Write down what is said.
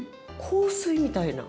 香水みたいな。